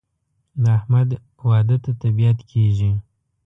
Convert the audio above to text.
د احمد واده ته طبیعت کېږي.